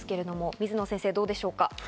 水野先生、どうでしょうか？